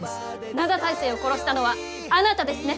灘大聖を殺したのはあなたですね？